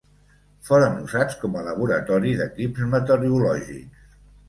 Foren usats com a laboratori d'equips meteorològics.